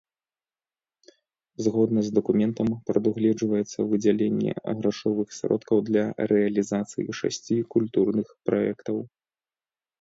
Згодна з дакументам, прадугледжваецца выдзяленне грашовых сродкаў для рэалізацыі шасці культурных праектаў.